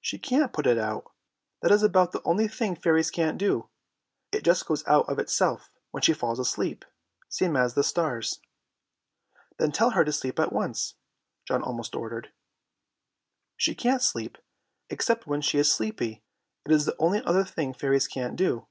"She can't put it out. That is about the only thing fairies can't do. It just goes out of itself when she falls asleep, same as the stars." "Then tell her to sleep at once," John almost ordered. "She can't sleep except when she's sleepy. It is the only other thing fairies can't do."